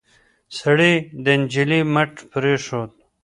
سړي د نجلۍ مټ پرېښود.